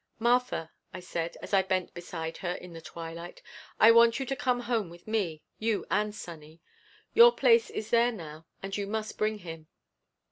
"Martha," I said, as I bent beside her in the twilight. "I want you to come home with me, you and Sonny. Your place is there now and you must bring him."